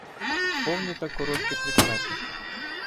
Повні та короткі прикметники